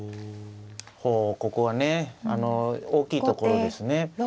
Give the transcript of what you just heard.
ほうここはね大きいところですね。